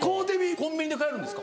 コンビニで買えるんですか？